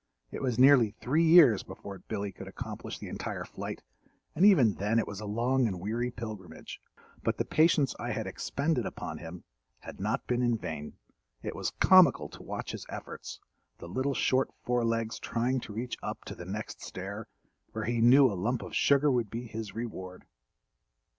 It was nearly three years before Billy could accomplish the entire flight, and even then it was a long and weary pilgrimage; but the patience I had expended upon him had not been in vain. It was comical to watch his efforts—the little short forelegs trying to reach up to the next stair, where he knew a lump of sugar would be his reward.